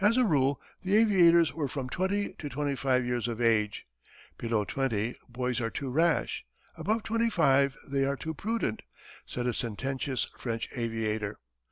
As a rule the aviators were from twenty to twenty five years of age. "Below twenty boys are too rash; above twenty five they are too prudent," said a sententious French aviator.